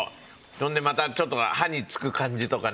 それでまたちょっと歯につく感じとかね。